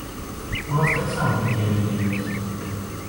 У нас таксама такія людзі ёсць.